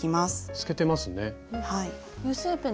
透けてますね。